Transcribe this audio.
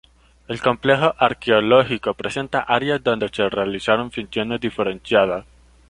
El complejo arqueológico presenta áreas donde se realizaron funciones diferenciadas.